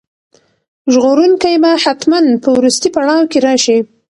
ژغورونکی به حتماً په وروستي پړاو کې راشي.